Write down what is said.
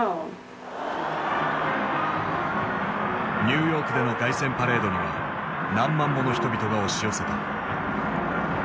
ニューヨークでの凱旋パレードには何万もの人々が押し寄せた。